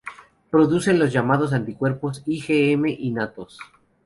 Producen los llamados anticuerpos IgM innatos.